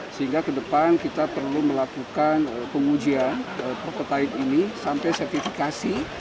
sehingga kedepan kita perlu melakukan pengujian perketahuan ini sampai sertifikasi